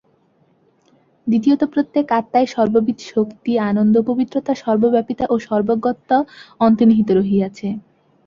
দ্বিতীয়ত প্রত্যেক আত্মায় সর্ববিধ শক্তি আনন্দ পবিত্রতা সর্বব্যাপিতা ও সর্বজ্ঞত্ব অন্তর্নিহিত রহিয়াছে।